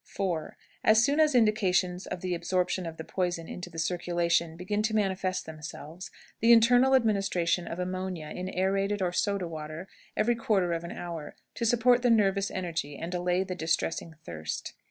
4. As soon as indications of the absorption of the poison into the circulation begin to manifest themselves, the internal administration of ammonia in aerated or soda water every quarter of an hour, to support the nervous energy and allay the distressing thirst.